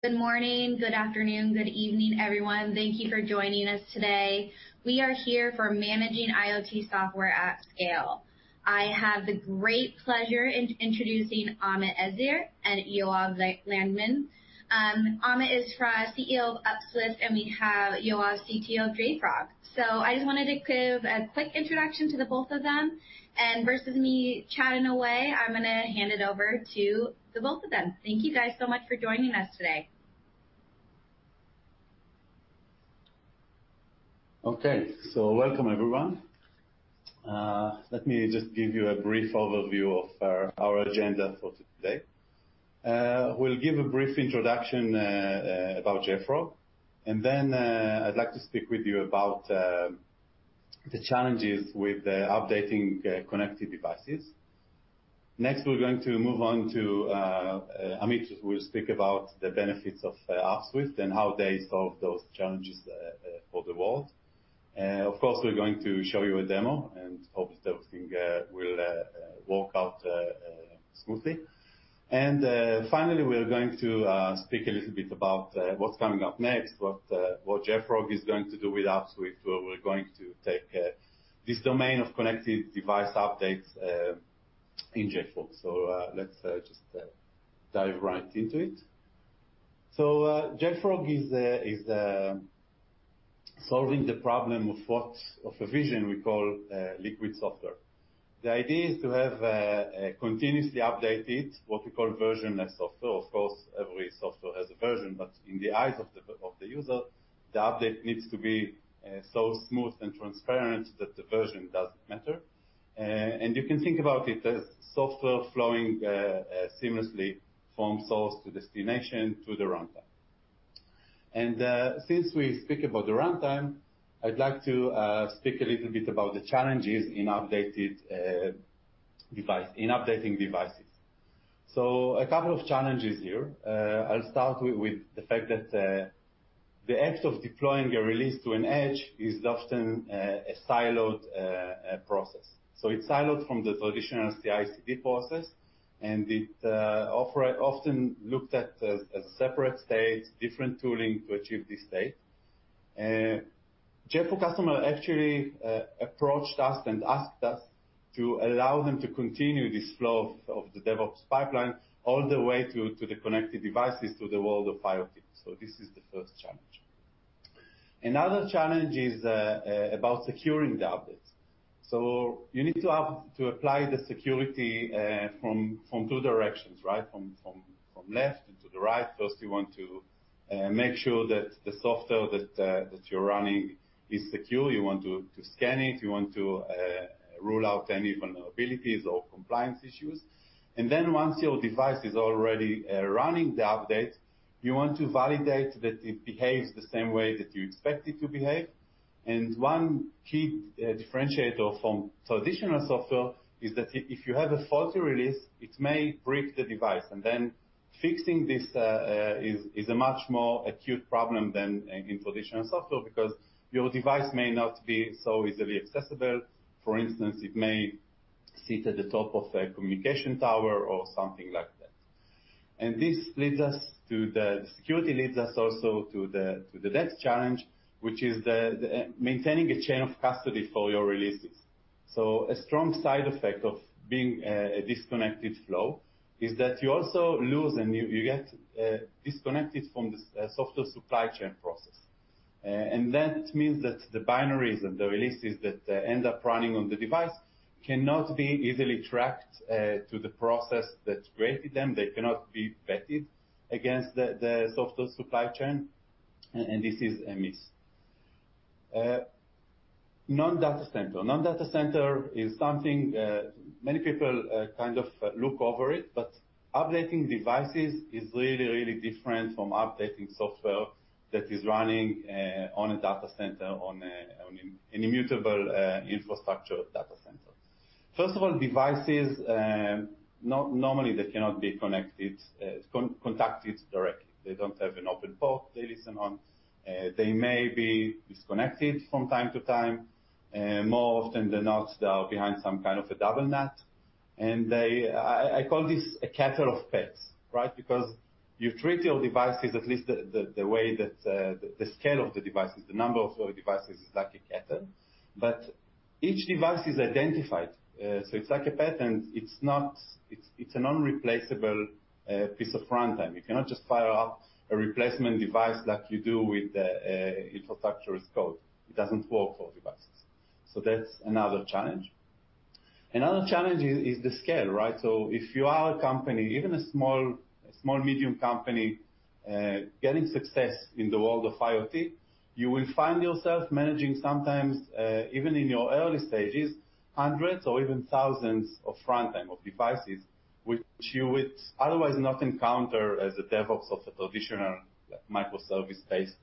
Good morning, good afternoon, good evening, everyone. Thank you for joining us today. We are here for Managing IoT Software at Scale. I have the great pleasure in introducing Amit Ezer and Yoav Landman. Amit is CEO of Upswift, and we have Yoav, CTO of JFrog. I just wanted to give a quick introduction to the both of them versus me chatting away, I'm going to hand it over to the both of them. Thank you guys so much for joining us today. Okay. Welcome, everyone. Let me just give you a brief overview of our agenda for today. We'll give a brief introduction about JFrog, and then I'd like to speak with you about the challenges with updating connected devices. Next, we're going to move on to Amit, who will speak about the benefits of Upswift and how they solve those challenges for the world. Of course, we're going to show you a demo, and hope that everything will work out smoothly. Finally, we are going to speak a little bit about what's coming up next, what JFrog is going to do with Upswift, where we're going to take this domain of connected device updates in JFrog. Let's just dive right into it. JFrog is solving the problem of a vision we call Liquid Software. The idea is to have a continuously updated, what we call version-less software. Of course, every software has a version, but in the eyes of the user, the update needs to be so smooth and transparent that the version doesn't matter. You can think about it as software flowing seamlessly from source to destination to the runtime. Since we speak about the runtime, I'd like to speak a little bit about the challenges in updating devices. A couple of challenges here. I'll start with the fact that the act of deploying a release to an edge is often a siloed process. It's siloed from the traditional CI/CD process, and it often looked at as a separate state, different tooling to achieve this state. JFrog customer actually approached us and asked us to allow them to continue this flow of the DevOps pipeline all the way to the connected devices, to the world of IoT. This is the first challenge. Another challenge is about securing the updates. You need to apply the security from two directions, right? From left to the right. First, you want to make sure that the software that you're running is secure. You want to scan it. You want to rule out any vulnerabilities or compliance issues. Once your device is already running the updates, you want to validate that it behaves the same way that you expect it to behave. One key differentiator from traditional software is that if you have a faulty release, it may break the device. Fixing this is a much more acute problem than in traditional software because your device may not be so easily accessible. For instance, it may sit at the top of a communication tower or something like that. The security leads us also to the next challenge, which is maintaining a chain of custody for your releases. A strong side effect of being a disconnected flow is that you also get disconnected from the software supply chain process. That means that the binaries and the releases that end up running on the device cannot be easily tracked to the process that created them. They cannot be vetted against the software supply chain. This is a miss. Non-data center. Non-data center is something that many people kind of look over it, but updating devices is really different from updating software that is running on a data center, on an immutable infrastructure data center. First of all, devices, normally they cannot be contacted directly. They don't have an open port they listen on. They may be disconnected from time to time. More often than not, they are behind some kind of a double NAT. I call this a cattle of pets, right? Because you treat your devices, at least the scale of the devices, the number of your devices is like a cattle. Each device is identified. It's like a pet and it's an unreplaceable piece of runtime. You cannot just fire up a replacement device like you do with a infrastructure as code. It doesn't work for devices. That's another challenge. Another challenge is the scale, right? If you are a company, even a small, medium company getting success in the world of IoT, you will find yourself managing sometimes, even in your early stages, hundreds or even thousands of runtime of devices, which you would otherwise not encounter as a DevOps of a traditional microservice-based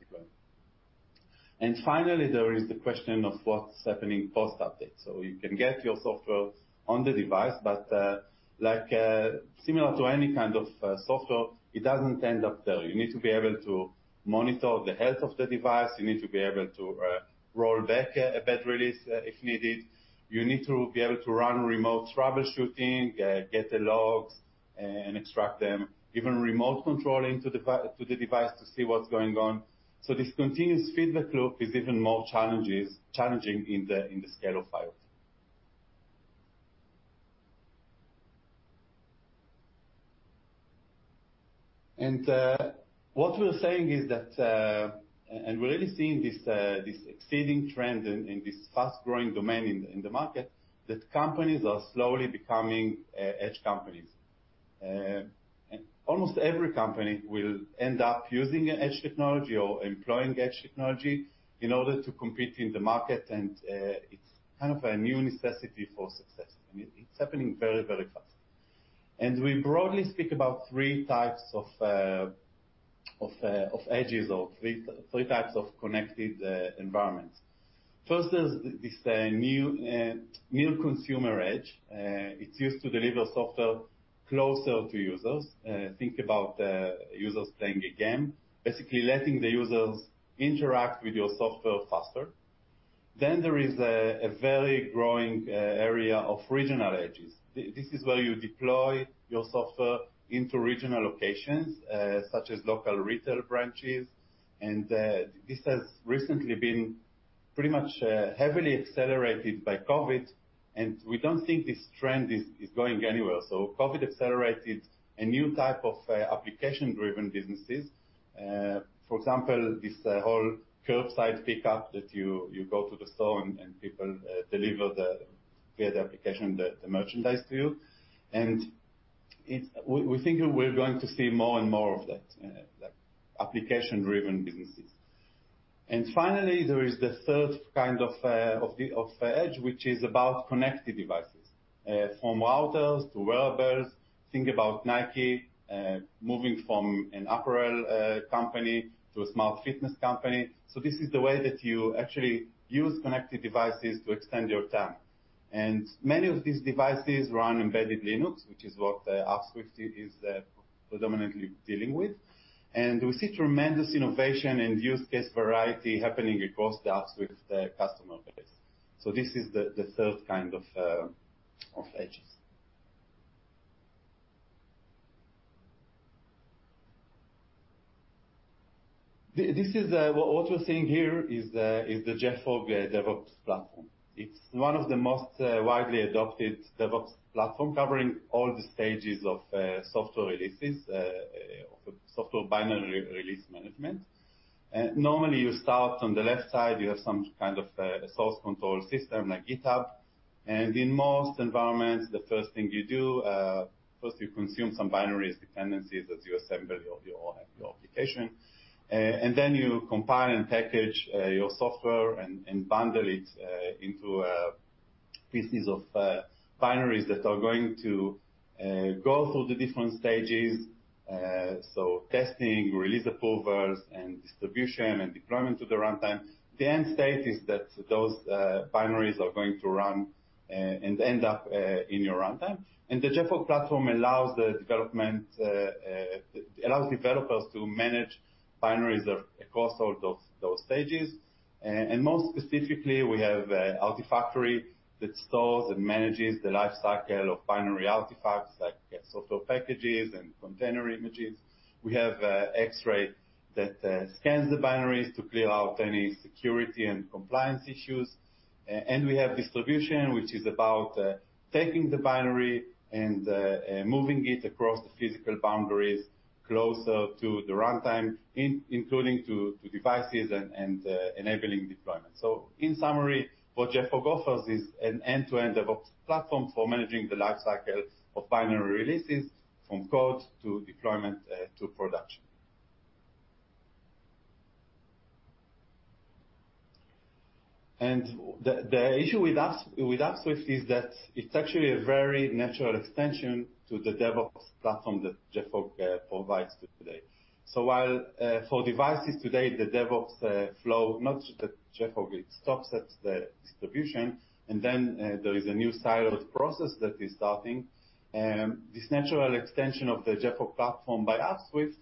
deployment. Finally, there is the question of what's happening post-update. You can get your software on the device, but similar to any kind of software, it doesn't end up there. You need to be able to monitor the health of the device. You need to be able to roll back a bad release if needed. You need to be able to run remote troubleshooting, get the logs, and extract them. Even remote controlling to the device to see what's going on. This continuous feedback loop is even more challenging in the scale of IoT. What we're saying is that, and we're really seeing this exceeding trend in this fast-growing domain in the market, that companies are slowly becoming edge companies. Almost every company will end up using edge technology or employing edge technology in order to compete in the market, and it's kind of a new necessity for success. It's happening very fast. We broadly speak about three types of edges or three types of connected environments. First, there's this new consumer edge. It's used to deliver software closer to users. Think about users playing a game, basically letting the users interact with your software faster. There is a very growing area of regional edges. This is where you deploy your software into regional locations, such as local retail branches. This has recently been pretty much heavily accelerated by COVID, and we don't think this trend is going anywhere. COVID accelerated a new type of application-driven businesses. For example, this whole curbside pickup that you go to the store and people deliver the application, the merchandise to you. We're thinking we're going to see more and more of that application-driven businesses. Finally, there is the third kind of edge, which is about connected devices. From routers to wearables. Think about Nike moving from an apparel company to a smart fitness company. This is the way that you actually use connected devices to extend your TAM. Many of these devices run embedded Linux, which is what Upswift is predominantly dealing with. We see tremendous innovation and use case variety happening across the Upswift customer base. This is the third kind of edges. What we're seeing here is the JFrog DevOps Platform. It's one of the most widely adopted DevOps platform, covering all the stages of software releases, of software binary release management. Normally, you start on the left side, you have some kind of a source control system like GitHub. In most environments, the first thing you do, you consume some binaries, dependencies as you assemble your application. Then you compile and package your software and bundle it into pieces of binaries that are going to go through the different stages. Testing, release approvals, and distribution, and deployment to the runtime. The end state is that those binaries are going to run and end up in your runtime. The JFrog Platform allows developers to manage binaries across all those stages. Most specifically, we have Artifactory that stores and manages the life cycle of binary artifacts like software packages and container images. We have Xray that scans the binaries to clear out any security and compliance issues. We have distribution, which is about taking the binary and moving it across the physical boundaries closer to the runtime, including to devices and enabling deployment. In summary, what JFrog offers is an end-to-end DevOps Platform for managing the life cycle of binary releases from code to deployment to production. The issue with Upswift is that it's actually a very natural extension to the DevOps Platform that JFrog provides today. While for devices today, the DevOps flow, not just at JFrog, it stops at the distribution, and then there is a new siloed process that is starting. This natural extension of the JFrog Platform by Upswift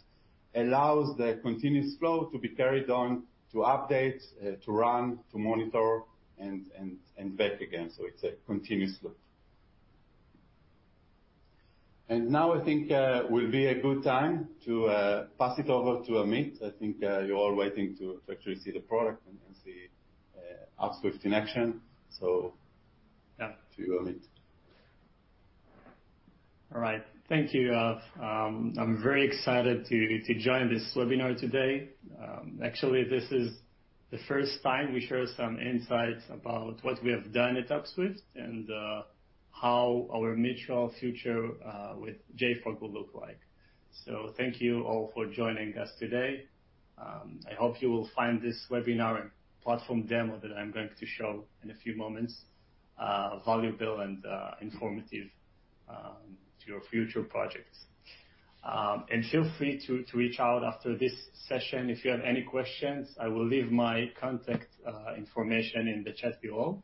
allows the continuous flow to be carried on, to update, to run, to monitor, and back again. It's a continuous loop. Now I think will be a good time to pass it over to Amit. I think you're all waiting to actually see the product and see Upswift in action. Yeah, to you, Amit. All right. Thank you. I'm very excited to join this webinar today. This is the first time we share some insights about what we have done at Upswift and how our mutual future with JFrog will look like. Thank you all for joining us today. I hope you will find this webinar and platform demo that I'm going to show in a few moments valuable and informative to your future projects. Feel free to reach out after this session if you have any questions. I will leave my contact information in the chat below.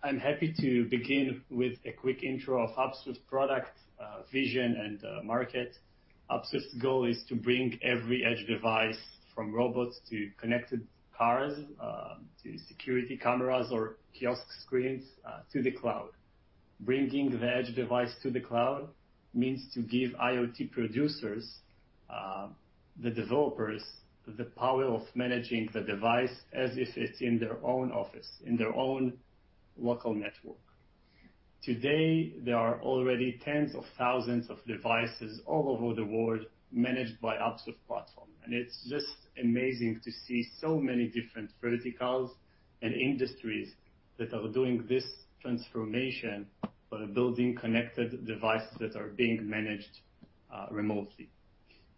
I'm happy to begin with a quick intro of Upswift product, vision, and market. Upswift's goal is to bring every edge device from robots to connected cars, to security cameras or kiosk screens to the cloud. Bringing the edge device to the cloud means to give IoT producers, the developers, the power of managing the device as if it's in their own office, in their own local network. Today, there are already tens of thousands of devices all over the world managed by Upswift Platform. It's just amazing to see so many different verticals and industries that are doing this transformation by building connected devices that are being managed remotely.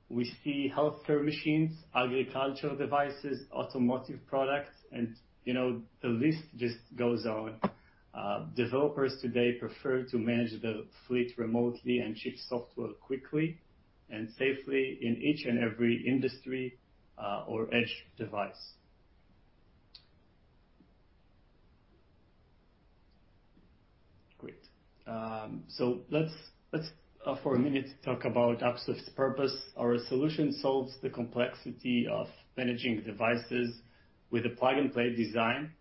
We see healthcare machines, agricultural devices, automotive products, and the list just goes on. Developers today prefer to manage their fleet remotely and ship software quickly and safely in each and every industry or edge device. Great. Let's, for a minute, talk about Upswift's purpose. Our solution solves the complexity of managing devices with a plug-and-play design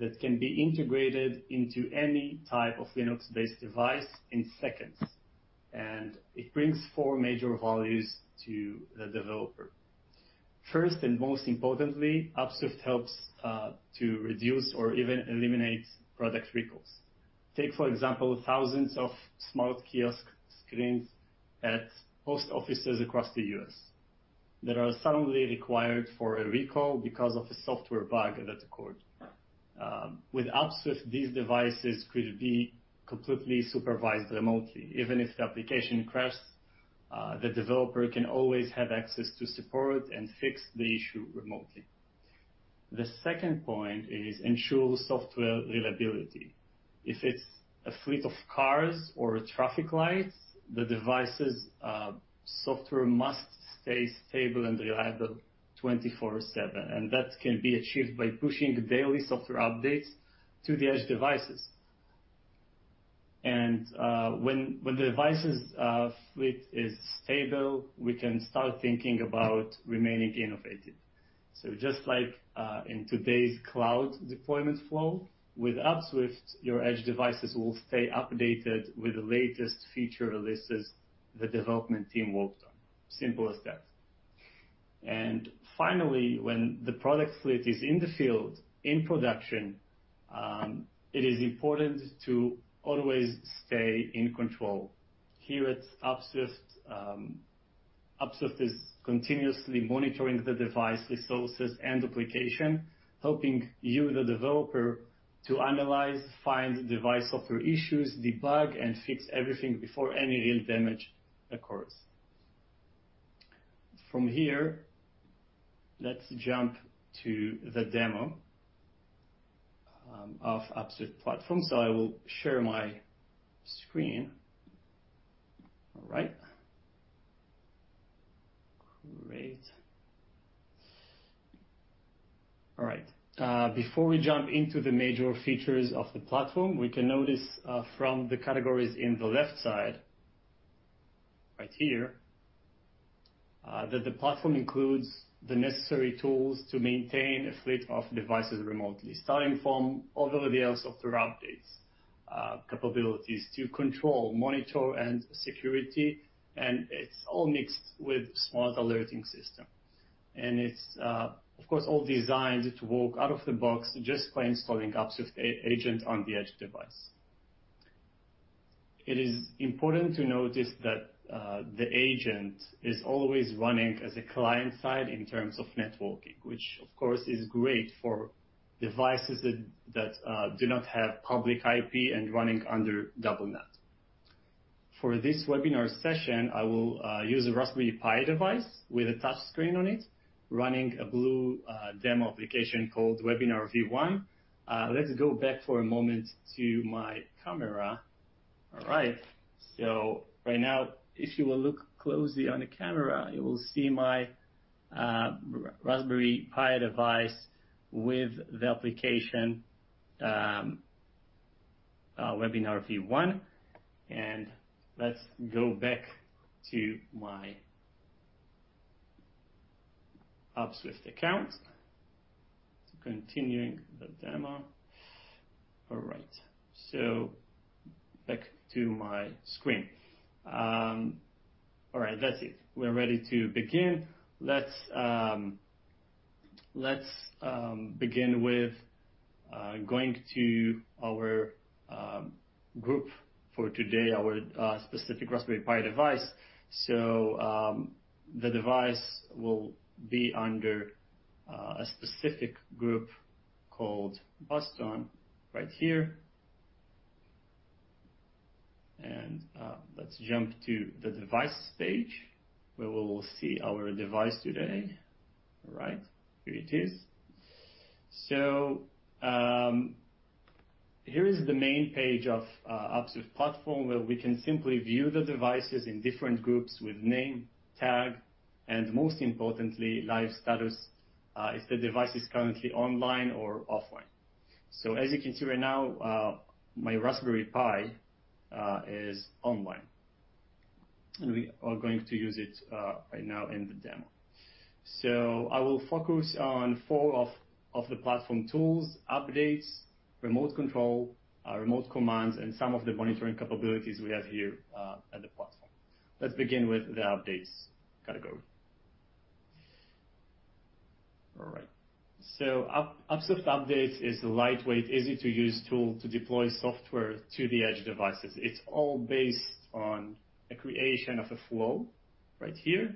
that can be integrated into any type of Linux-based device in seconds. It brings four major values to the developer. First, and most importantly, Upswift helps to reduce or even eliminate product recalls. Take, for example, thousands of smart kiosk screens at post offices across the U.S. that are suddenly required for a recall because of a software bug that occurred. With Upswift, these devices could be completely supervised remotely. Even if the application crashes, the developer can always have access to support and fix the issue remotely. The second point is ensure software reliability. If it's a fleet of cars or traffic lights, the device's software must stay stable and reliable 24/7. That can be achieved by pushing daily software updates to the edge devices. When the device's fleet is stable, we can start thinking about remaining innovative. Just like in today's cloud deployment flow, with Upswift, your edge devices will stay updated with the latest feature releases the development team worked on. Simple as that. Finally, when the product fleet is in the field in production, it is important to always stay in control. Here at Upswift is continuously monitoring the device resources and application, helping you, the developer, to analyze, find device software issues, debug, and fix everything before any real damage occurs. From here, let's jump to the demo of Upswift Platform. I will share my screen. All right. Great. All right. Before we jump into the major features of the platform, we can notice from the categories in the left side, right here, that the platform includes the necessary tools to maintain a fleet of devices remotely. Starting from over-the-air software updates capabilities to control, monitor, and security. It's all mixed with smart alerting system. It's of course all designed to work out of the box just by installing Upswift agent on the edge device. It is important to notice that the agent is always running as a client side in terms of networking, which of course is great for devices that do not have public IP and running under double NAT. For this webinar session, I will use a Raspberry Pi device with a touch screen on it, running a blue demo application called Webinar V1. Let's go back for a moment to my camera. All right. Right now, if you will look closely on the camera, you will see my Raspberry Pi device with the application Webinar V1. Let's go back to my Upswift account. Continuing the demo. All right. Back to my screen. All right. That's it. We're ready to begin. Let's begin with going to our group for today, our specific Raspberry Pi device. The device will be under a specific group called Boston right here. Let's jump to the device page, where we will see our device today. All right. Here it is. Here is the main page of Upswift platform, where we can simply view the devices in different groups with name, tag, and most importantly, live status, if the device is currently online or offline. As you can see right now, my Raspberry Pi is online. We are going to use it right now in the demo. I will focus on four of the platform tools, updates, remote control, remote commands, and some of the monitoring capabilities we have here at the platform. Let's begin with the updates category. All right. Upswift Updates is a lightweight, easy-to-use tool to deploy software to the edge devices. It's all based on the creation of a flow right here.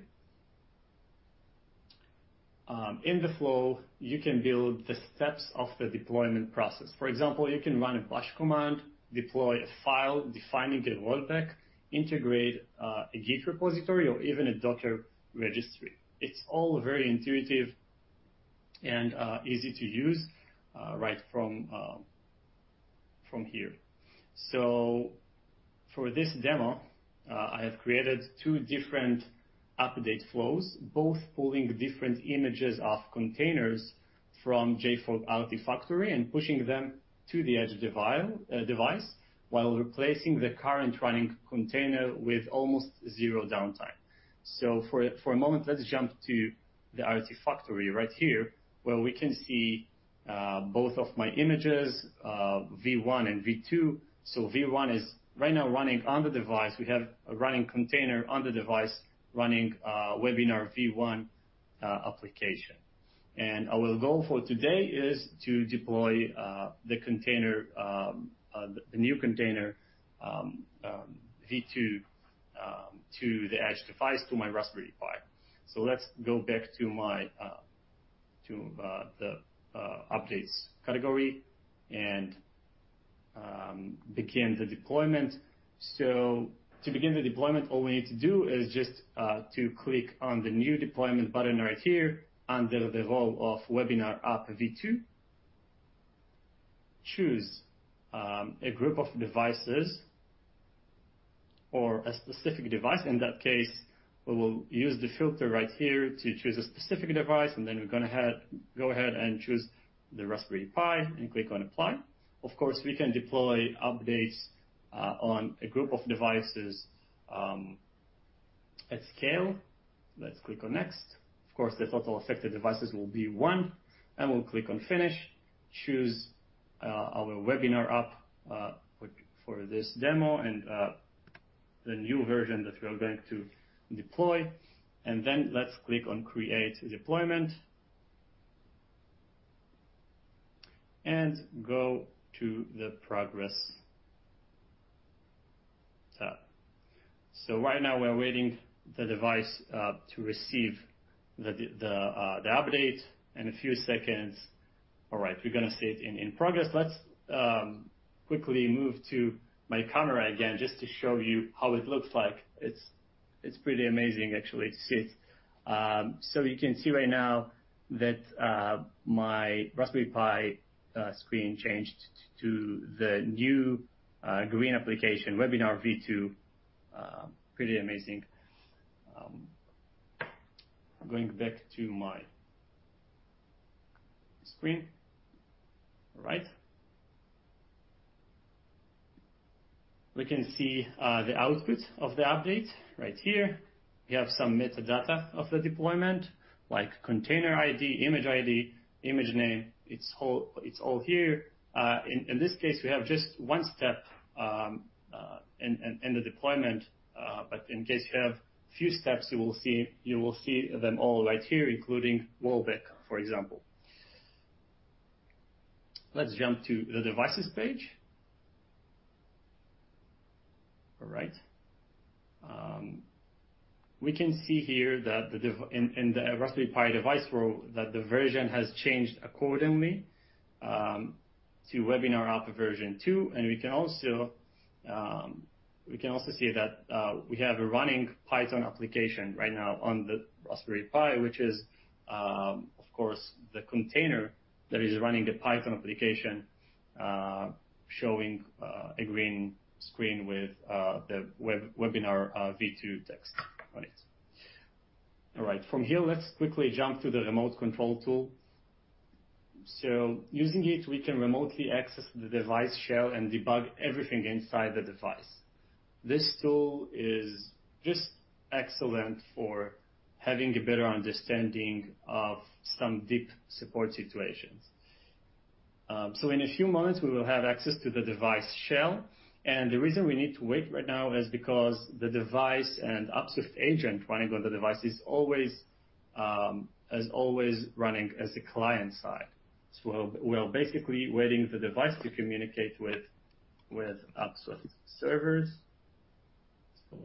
In the flow, you can build the steps of the deployment process. For example, you can run a Bash command, deploy a file defining the rollback, integrate a Git repository or even a Docker registry. It's all very intuitive and easy to use right from here. For this demo, I have created two different update flows, both pulling different images of containers from JFrog Artifactory and pushing them to the edge device while replacing the current running container with almost zero downtime. For a moment, let's jump to the Artifactory right here where we can see both of my images, V1 and V2. V1 is right now running on the device. We have a running container on the device running Webinar V1 application. Our goal for today is to deploy the new container, V2, to the edge device, to my Raspberry Pi. Let's go back to the updates category and begin the deployment. To begin the deployment, all we need to do is just to click on the New Deployment button right here under the role of Webinar App V2. Choose a group of devices or a specific device. In that case, we will use the filter right here to choose a specific device, and then we're going to go ahead and choose the Raspberry Pi and click on Apply. Of course, we can deploy updates on a group of devices at scale. Let's click on Next. Of course, the total affected devices will be one, and we'll click on Finish. Choose our Webinar app for this demo and the new version that we are going to deploy. Let's click on Create Deployment and go to the Progress tab. Right now we're waiting the device to receive the update in a few seconds. All right. We're going to see it in progress. Let's quickly move to my camera again just to show you how it looks like. It's pretty amazing actually to see it. You can see right now that my Raspberry Pi screen changed to the new green application, Webinar V2. Pretty amazing. I'm going back to my screen. All right. We can see the output of the update right here. We have some metadata of the deployment, like container ID, image ID, image name. It's all here. In this case, we have just one step in the deployment. In case you have few steps, you will see them all right here, including rollback, for example. Let's jump to the Devices page. All right. We can see here in the Raspberry Pi device row that the version has changed accordingly to Webinar App version 2. We can also see that we have a running Python application right now on the Raspberry Pi, which is, of course, the container that is running the Python application, showing a green screen with the Webinar V2 text on it. All right. From here, let's quickly jump to the remote control tool. Using it, we can remotely access the device shell and debug everything inside the device. This tool is just excellent for having a better understanding of some deep support situations. In a few moments, we will have access to the device shell. The reason we need to wait right now is because the device and Upswift agent running on the device is always running as the client side. We are basically waiting for the device to communicate with Upswift's servers.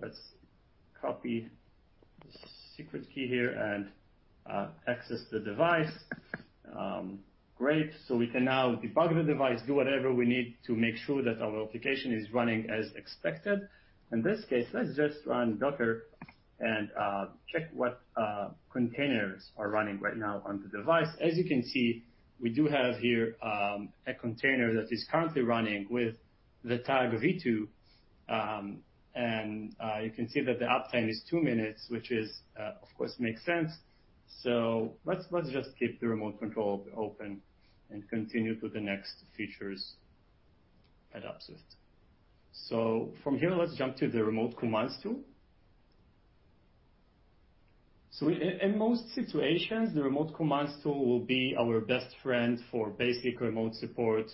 Let's copy the secret key here and access the device. Great. We can now debug the device, do whatever we need to make sure that our application is running as expected. In this case, let's just run Docker and check what containers are running right now on the device. As you can see, we do have here a container that is currently running with the tag V2. You can see that the uptime is two minutes, which of course makes sense. Let's just keep the remote control open and continue to the next features at Upswift. From here, let's jump to the remote commands tool. In most situations, the remote commands tool will be our best friend for basic remote support,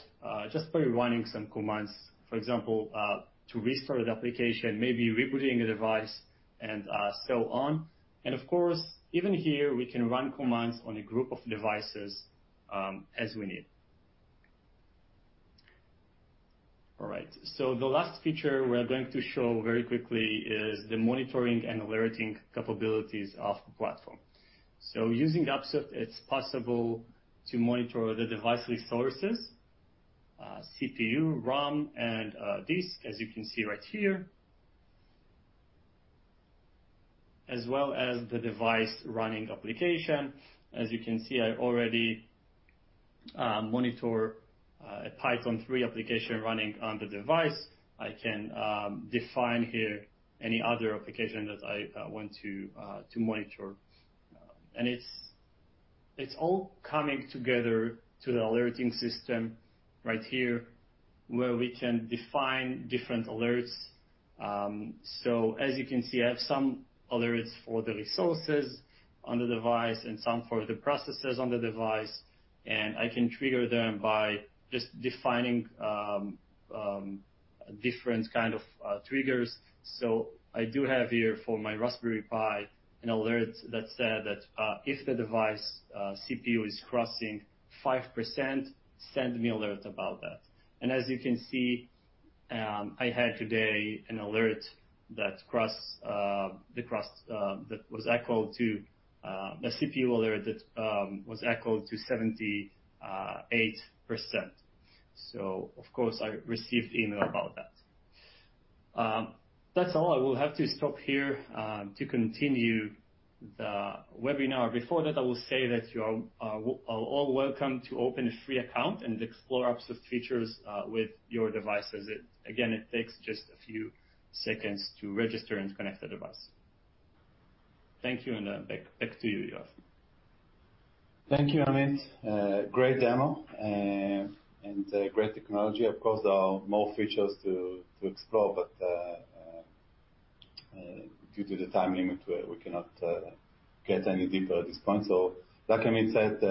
just by running some commands. For example, to restart an application, maybe rebooting a device, and so on. Of course, even here, we can run commands on a group of devices as we need. All right. The last feature we're going to show very quickly is the monitoring and alerting capabilities of the platform. Using Upswift, it's possible to monitor the device resources, CPU, RAM, and disk, as you can see right here. As well as the device running application. As you can see, I already monitor a Python 3 application running on the device. I can define here any other application that I want to monitor. It's all coming together to the alerting system right here, where we can define different alerts. As you can see, I have some alerts for the resources on the device and some for the processes on the device. I can trigger them by just defining different kind of triggers. I do have here for my Raspberry Pi an alert that said that, if the device CPU is crossing 5%, send me alert about that. As you can see, I had today a CPU alert that was echoed to 78%. Of course, I received email about that. That's all. I will have to stop here to continue the webinar. Before that, I will say that you are all welcome to open a free account and explore Upswift features with your devices. Again, it takes just a few seconds to register and connect the device. Thank you, and back to you, Yoav. Thank you, Amit. Great demo and great technology. Of course, there are more features to explore, but due to the time limit, we cannot get any deeper at this point. Like Amit said,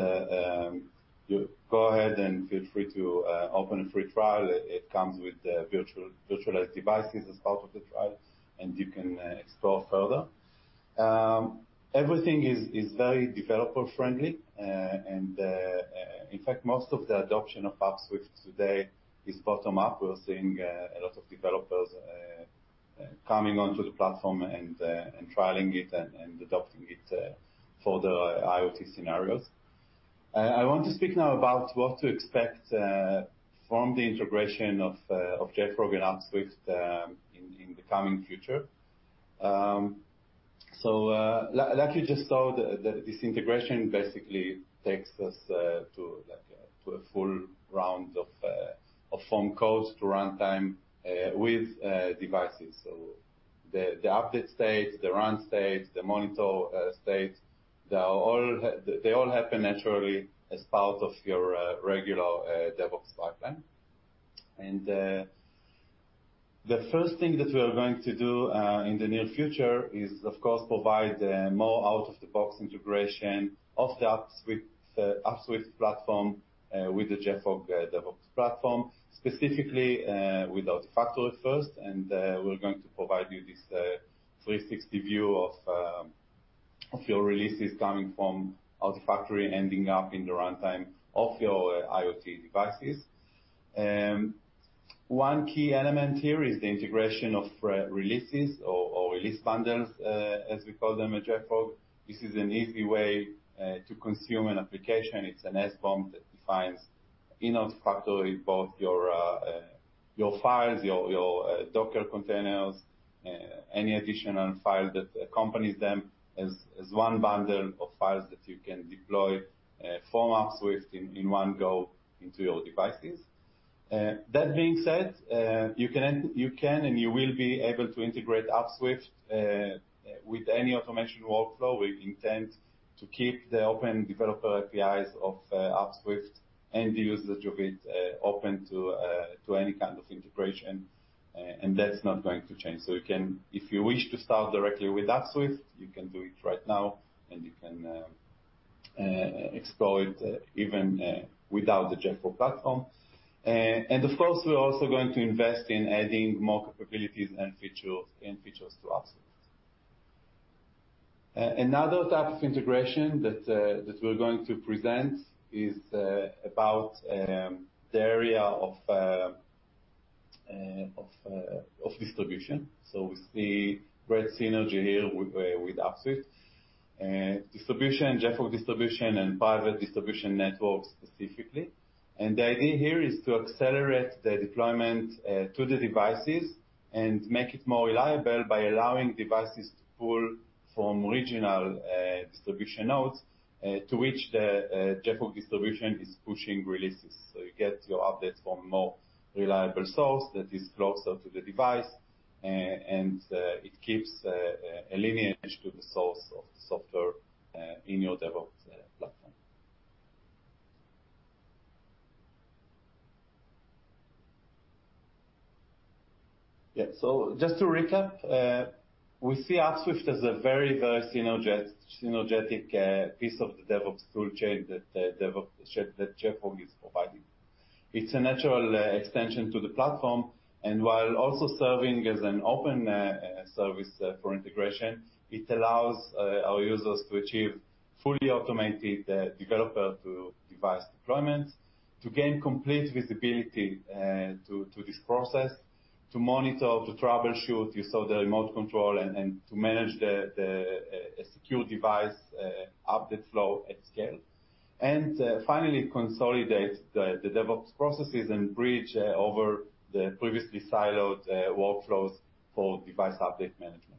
go ahead and feel free to open a free trial. It comes with virtualized devices as part of the trial, and you can explore further. Everything is very developer-friendly. In fact, most of the adoption of Upswift today is bottom-up. We're seeing a lot of developers coming onto the platform and trialing it and adopting it for the IoT scenarios. I want to speak now about what to expect from the integration of JFrog and Upswift in the coming future. Like you just saw, this integration basically takes us to a full round of form codes to runtime with devices. The update stage, the run stage, the monitor stage, they all happen naturally as part of your regular DevOps pipeline. The first thing that we are going to do in the near future is, of course, provide more out-of-the-box integration of the Upswift platform with the JFrog DevOps platform, specifically with Artifactory first. We're going to provide you this 360 view of your releases coming from Artifactory ending up in the runtime of your IoT devices. One key element here is the integration of releases or Release Bundles as we call them at JFrog. This is an easy way to consume an application. It's an SBOM that defines in Artifactory both your files, your Docker containers, any additional file that accompanies them as one bundle of files that you can deploy from Upswift in one go into your devices. That being said, you can and you will be able to integrate Upswift with any automation workflow. We intend to keep the open developer APIs of Upswift and the usage of it open to any kind of integration, and that's not going to change. If you wish to start directly with Upswift, you can do it right now, and you can explore it even without the JFrog Platform. Of course, we're also going to invest in adding more capabilities and features to Upswift. Another type of integration that we're going to present is about the area of distribution. We see great synergy here with Upswift. JFrog Distribution and private distribution networks specifically. The idea here is to accelerate the deployment to the devices and make it more reliable by allowing devices to pull from regional distribution nodes to which the JFrog Distribution is pushing releases. You get your updates from more reliable source that is closer to the device, and it keeps a lineage to the source of the software in your DevOps platform. Yeah. Just to recap, we see Upswift as a very synergetic piece of the DevOps tool chain that JFrog is providing. It's a natural extension to the platform. While also serving as an open service for integration, it allows our users to achieve fully automated developer to device deployments, to gain complete visibility to this process, to monitor, to troubleshoot, you saw the remote control, and to manage the secure device update flow at scale. Finally, consolidate the DevOps processes and bridge over the previously siloed workflows for device update management.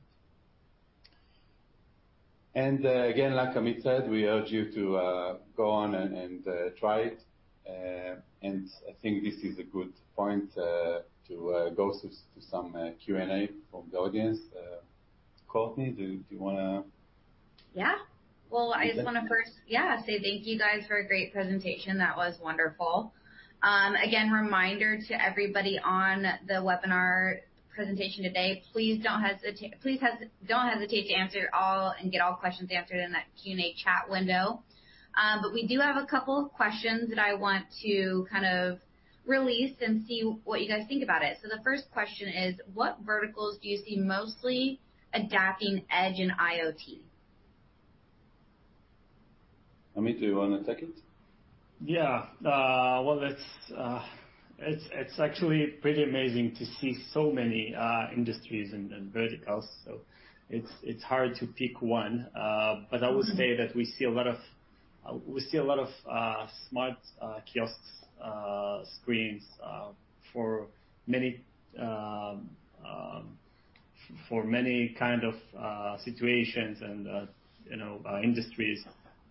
Again, like Amit said, we urge you to go on and try it. I think this is a good point to go to some Q&A from the audience. Courtney, do you wanna? Yeah. Well, I just want to first say thank you guys for a great presentation. That was wonderful. Again, reminder to everybody on the webinar presentation today, please don't hesitate to answer all and get all questions answered in that Q&A chat window. We do have a couple of questions that I want to kind of release and see what you guys think about it. The first question is, what verticals do you see mostly adapting edge and IoT? Amit, do you want to take it? Yeah. Well, it's actually pretty amazing to see so many industries and verticals. It's hard to pick one. I would say that we see a lot of smart kiosk screens for many kind of situations and industries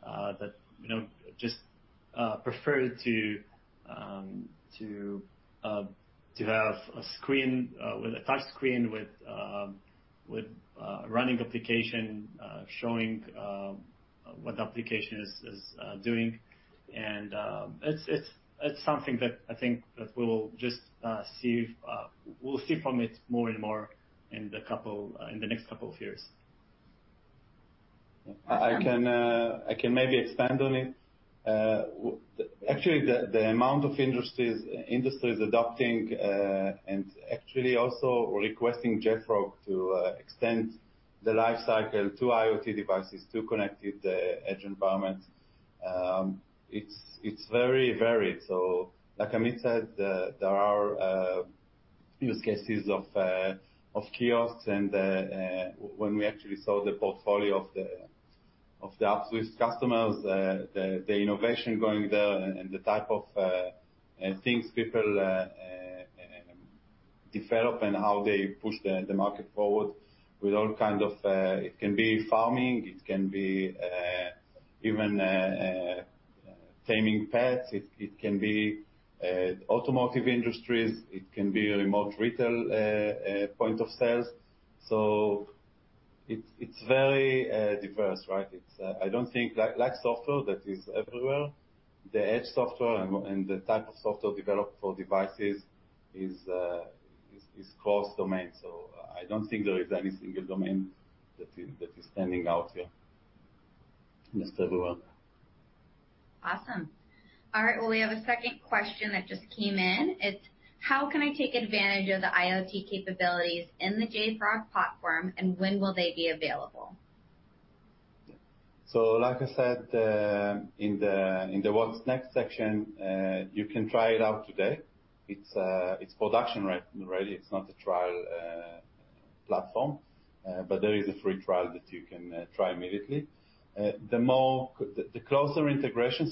that just prefer to have a touch screen with a running application showing what the application is doing. It's something that I think that we'll see from it more and more in the next couple of years. Awesome. I can maybe expand on it. Actually, the amount of industries adopting, and actually also requesting JFrog to extend the life cycle to IoT devices, to connected edge environments, it's very varied. Like Amit said, there are use cases of kiosks and when we actually saw the portfolio of the Upswift customers, the innovation going there, and the type of things people develop and how they push the market forward with all kind of It can be farming, it can be even taming pets, it can be automotive industries, it can be remote retail point of sales. It's very diverse, right? Like software that is everywhere, the edge software and the type of software developed for devices is cross domain. I don't think there is any single domain that is standing out here. Just everywhere. Awesome. All right. We have a second question that just came in. It's, how can I take advantage of the IoT capabilities in the JFrog Platform, and when will they be available? Like I said, in the what's next section, you can try it out today. It's production ready. It's not a trial platform. There is a free trial that you can try immediately. The closer integration.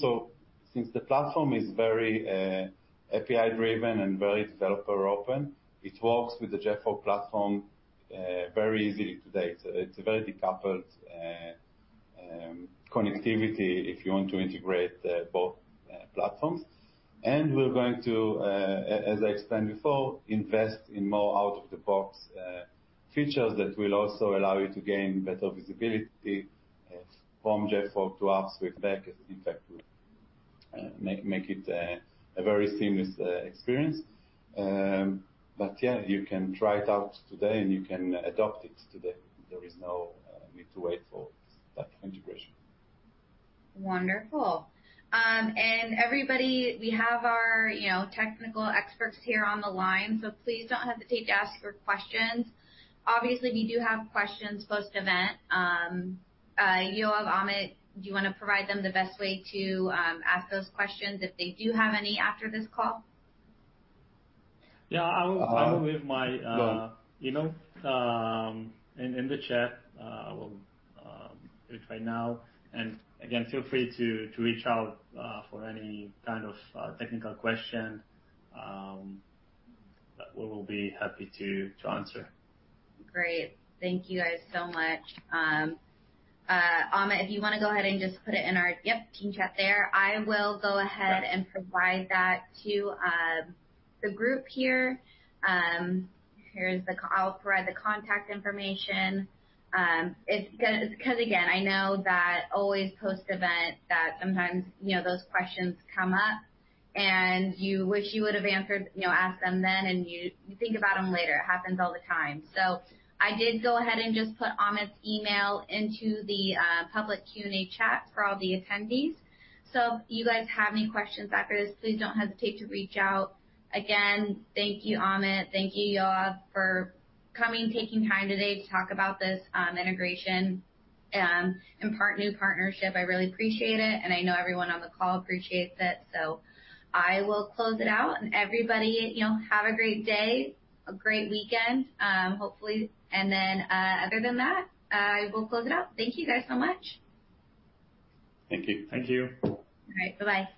Since the platform is very API driven and very developer open, it works with the JFrog Platform very easily today. It's a very decoupled connectivity if you want to integrate both platforms. We're going to, as I explained before, invest in more out-of-the-box features that will also allow you to gain better visibility from JFrog to Upswift back, in fact, will make it a very seamless experience. Yeah, you can try it out today, and you can adopt it today. There is no need to wait for that integration. Wonderful. Everybody, we have our technical experts here on the line. Please don't hesitate to ask your questions. Obviously, if you do have questions post-event, Yoav, Amit, do you want to provide them the best way to ask those questions if they do have any after this call? Yeah. Go on. i"ll leave my email in the chat. I will do it right now. Again, feel free to reach out for any kind of technical question, that we will be happy to answer. Great. Thank you guys so much. Amit, if you want to go ahead and just put it in our, yep, team chat there. I will go ahead and provide that to the group here. I'll provide the contact information. It's because, again, I know that always post-event that sometimes those questions come up, and you wish you would have asked them then, and you think about them later. It happens all the time. I did go ahead and just put Amit's email into the public Q&A chat for all the attendees. If you guys have any questions after this, please don't hesitate to reach out. Again, thank you, Amit, thank you, Yoav, for coming, taking time today to talk about this integration, and new partnership. I really appreciate it, and I know everyone on the call appreciates it. I will close it out. Everybody, have a great day, a great weekend, hopefully. Other than that, I will close it out. Thank you guys so much. Thank you. Thank you. All right. Bye-bye.